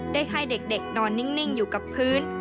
ได้ให้เด็กนอนนิ่งอยู่กับพื้น